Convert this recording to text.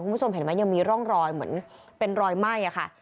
คุณผู้ชมเห็นไหมยังมีร่องรอยเหมือนเป็นรอยไหม้อะค่ะ